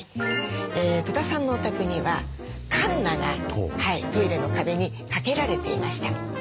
戸田さんのお宅にはかんながトイレの壁に掛けられていました。